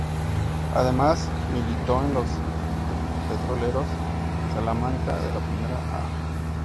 Además militó en los Petroleros de Salamanca de la Primera 'A'.